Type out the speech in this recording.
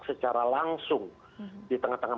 secara langsung di tengah tengah